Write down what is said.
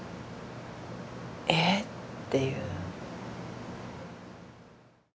「え？」っていう。